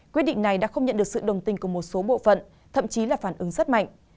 quyết định này đã không nhận được sự đồng tình của một số bộ phận thậm chí là phản ứng rất mạnh